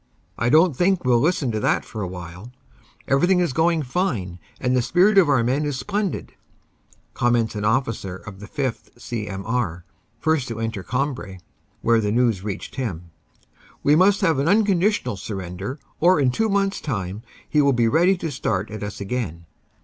"I don t think we ll listen to that for a while; everything is going fine and the spirit of our men is splendid," comments an officer of the 5th C.M.R., first to enter Cambrai, where the news reached him. "We must have an unconditional surrender, or in two months time he will be ready to start at us again."